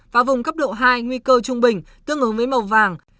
và vùng cấp độ hai nguy cơ trung bình tương ứng với màu vàng